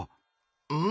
うん？